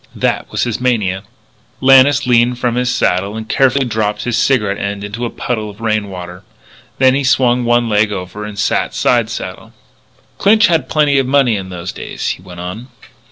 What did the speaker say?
That was his mania." Lannis leaned from his saddle and carefully dropped his cigarette end into a puddle of rain water. Then he swung one leg over and sat side saddle. "Clinch had plenty of money in those days," he went on.